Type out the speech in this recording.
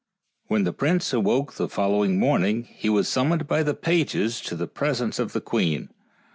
When the prince awoke the following morning he was summoned by the pages to the presence of the queen.